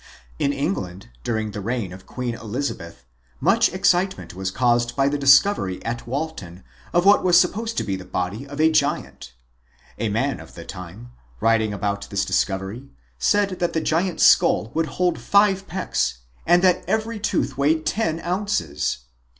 In England, during the reign of Queen Elizabeth, much excitement was caused by the discovery at Walton of what was supposed to be the body of a giant. A man of the time, writing about this dis covery, said that the giant's skull would hold five pecks and that every tooth weighed ten ounces